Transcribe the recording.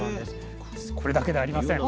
これだけではありません。